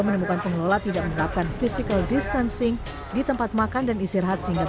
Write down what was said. menemukan pengelola tidak menerapkan physical distancing di tempat makan dan istirahat sehingga